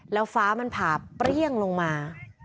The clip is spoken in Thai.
แล้วฟ้ามันผ่าเปรี้ยงลงมา